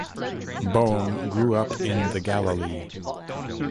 Boehm grew up in the Galilee.